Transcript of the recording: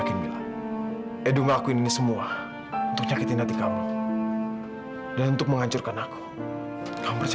sampai jumpa di video selanjutnya